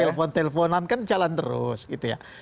telepon teleponan kan jalan terus gitu ya